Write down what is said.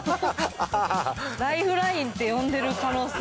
ライフラインって呼んでる可能性。